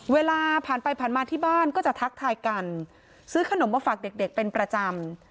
เวลาผ่านไปผ่านมาที่บ้านก็จะทักทายกันซื้อขนมมาฝากเด็กเป็นประจำ